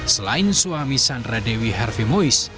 selain suami sandra dewi herve mois